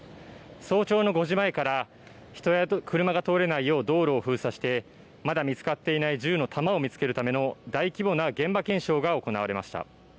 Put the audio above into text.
早朝の５時前から、人や車が通れないよう道路を封鎖して、まだ見つかっていない銃の弾を見つけるための大規模な現場検証が行われました。